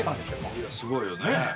すごいよね。